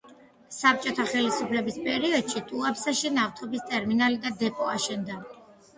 საბჭოთა ხელისუფლების პერიოდში ტუაფსეში ნავთობის ტერმინალი და დეპო აშენდა.